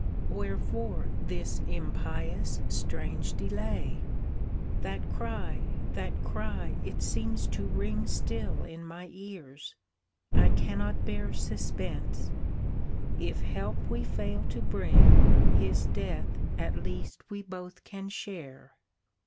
Wherefore this impious, strange delay! That cry, that cry, it seems to ring Still in my ears, I cannot bear Suspense; if help we fail to bring His death at least we both can share."